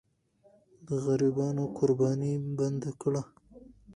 د غریبانو قرباني بنده کړه.